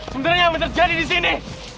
sebenarnya apa terjadi disini